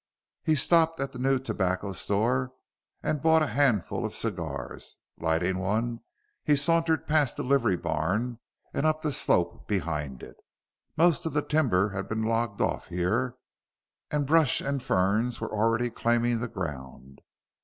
He stopped at the new tobacco store and bought a handful of cigars. Lighting one, he sauntered past the livery barn and up the slope behind it. Most of the timber had been logged off here, and brush and ferns were already claiming the ground.